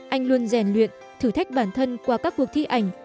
anh luôn rèn luyện thử thách bản thân qua các cuộc thi ảnh